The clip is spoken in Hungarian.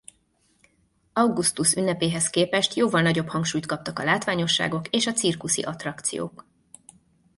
Augustus ünnepéhez képest jóval nagyobb hangsúlyt kaptak a látványosságok és a cirkuszi attrakciók.